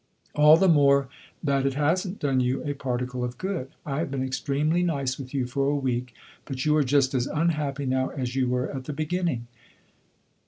All the more that it has n't done you a particle of good. I have been extremely nice with you for a week; but you are just as unhappy now as you were at the beginning.